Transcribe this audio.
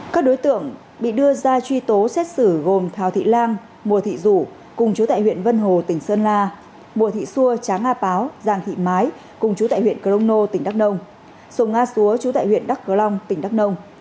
các đối tượng bị đưa ra truy tố xét xử gồm thảo thị lan mùa thị dũ cùng chú tại huyện vân hồ tỉnh sơn la mùa thị xua tráng a páo giang thị mái cùng chú tại huyện cờ long nô tỉnh đắk nông sùng a xúa chú tại huyện đắk cờ long tỉnh đắk nông